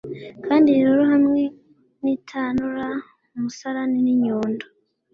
kandi rero hamwe nitanura, umusarani ninyundo